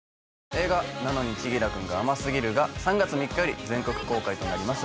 映画『なのに、千輝くんが甘すぎる。』が３月３日より全国公開となります。